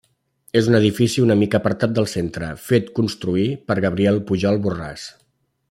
És un edifici una mica apartat del centre, fet construir per Gabriel Pujol Borràs.